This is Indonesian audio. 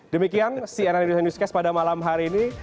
demikian cnn indonesia newscast pada malam hari ini